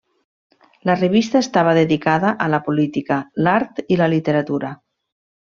La revista estava dedicada a la política, l'art i la literatura.